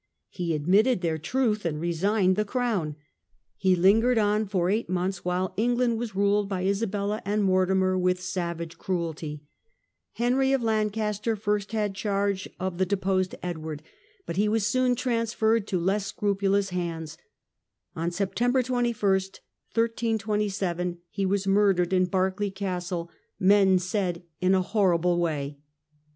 He admitted their truth and resigned the crown. He lingered on for eight months, while England was ruled by Isabella and Mortimer with savage cruelty. Henry of Lancaster first had charge of the deposed I04 CHANGES OF TWO CENTURIES. Edward, but he was soon transferred to less scrupulous His murder ^^^^s. On September 21, 1327, he was murdered in Berkeley Castle, men said in a horrible way.